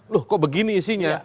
loh kok begini isinya